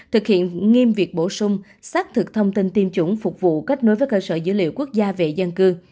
thực hiện nghiêm việc bổ sung xác thực thông tin tiêm chủng phục vụ kết nối với cơ sở dữ liệu quốc gia về dân cư